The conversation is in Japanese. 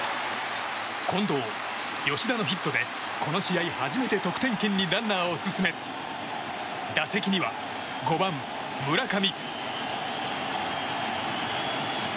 近藤、吉田のヒットでこの試合、初めて得点圏にランナーを進め打席には５番、村上。